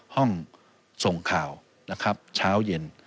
ห้องส่งข่าวช้าวเย็น